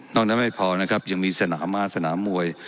นั้นไม่พอนะครับยังมีสนามม้าสนามมวย